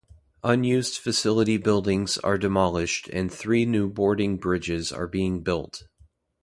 Unused facility buildings are demolished and three new boarding bridges are being built.